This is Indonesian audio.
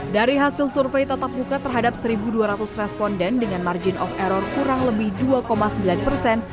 dari hasil survei tatap muka terhadap satu dua ratus responden dengan margin of error kurang lebih dua sembilan persen